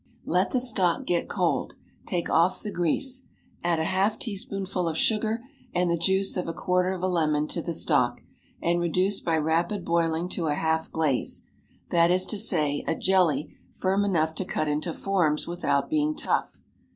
Let the stock get cold. Take off the grease. Add a half teaspoonful of sugar and the juice of a quarter of a lemon to the stock, and reduce by rapid boiling to a half glaze, that is to say, a jelly firm enough to cut into forms without being tough.